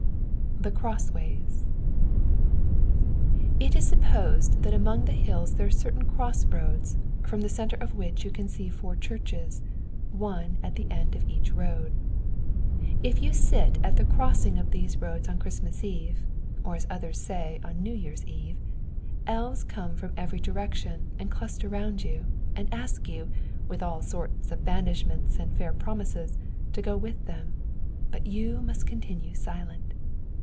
THE CROSSWAYS It is supposed that among the hills there are certain cross roads, from the centre of which you can see four churches, one at the end of each road. If you sit at the crossing of these roads on Christmas Eve (or as others say, on New Year's Eve), elves come from every direction and cluster round you, and ask you, with all sorts of blandishments and fair promises, to go with them; but you must continue silent.